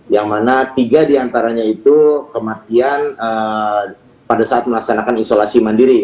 yang mana tiga diantaranya itu kematian pada saat melaksanakan isolasi mandiri